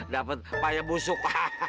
dapet payah busuk